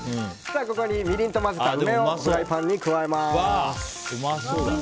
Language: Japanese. ここに、みりんと混ぜた梅をフライパンに加えます。